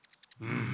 うん。